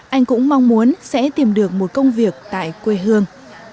anh cũng mong muốn sẽ tìm được một công việc tại quê hương